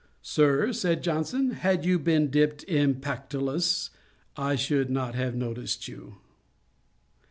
'Sir, (said Johnson,) had you been dipt in Pactolus I should not have noticed you.'